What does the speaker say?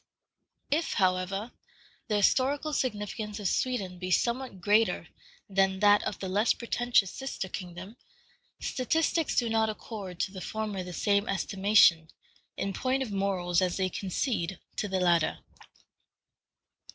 If, however, the historical significance of Sweden be somewhat greater than that of the less pretentious sister kingdom, statistics do not accord to the former the same estimation, in point of morals, as they concede to the latter.